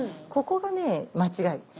ここがね間違い。